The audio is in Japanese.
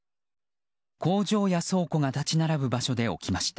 工場や倉庫が立ち並ぶ場所で起きました。